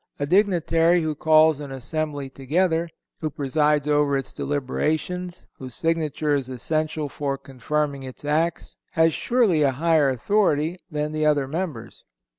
A dignitary who calls an assembly together, who presides over its deliberations, whose signature is essential for confirming its Acts has surely a higher authority than the other members.